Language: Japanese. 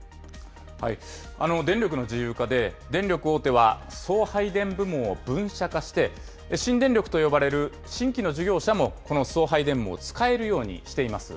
電力の自由化で、電力大手は送配電部門を分社化して、新電力と呼ばれる新規の事業者もこの送配電網を使えるようにしています。